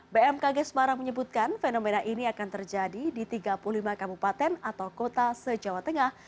bmkg semarang menyebutkan fenomena ini akan terjadi di tiga puluh lima kabupaten atau kota se jawa tengah